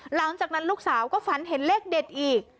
หลังจากนั้นลูกสาวก็ฝันเห็นเลขเด็ดอีก